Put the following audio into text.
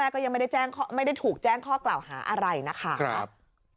ข้อกล่าวหาอะไรนะครับ